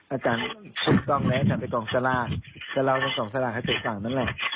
อาจารย์คุกกล้องแม้จำไปกองสลาดสลาดไปกองสลาดให้เสร็จสั่งนั้นแหละ